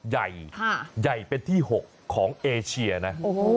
ใหญ่ใหญ่เป็นที่๖ของเอเชียนะ